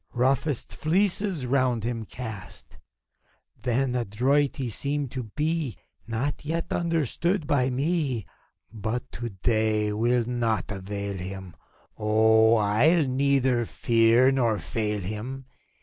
Roughest fleeces round him cast ! Then adroit he seemed to be, Not yet understood by me : But to day 't will naught avail him — Oh, 111 neither fear nor fail him